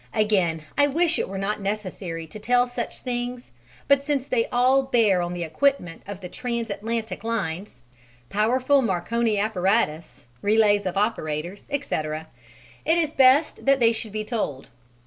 Again I wish it were not necessary to tell such things, but since they all bear on the equipment of the trans Atlantic lines powerful Marconi apparatus, relays of operators, etc., it is best they should be told.